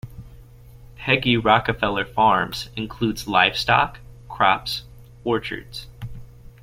Peggy Rockefeller Farms includes livestock, crops, orchards.